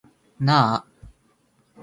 なあ